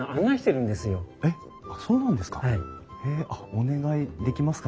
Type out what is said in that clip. お願いできますか？